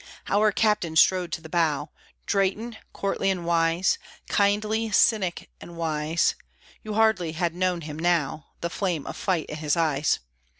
Our Captain strode to the bow, Drayton, courtly and wise, Kindly cynic, and wise (You hardly had known him now, The flame of fight in his eyes!)